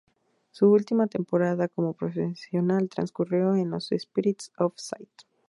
Su última temporada como profesional transcurrió en los Spirits of St.